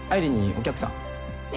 お客さん？